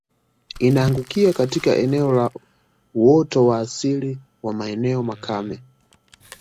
Inaangukia katika eneo la uoto wa asili wa maeneo makame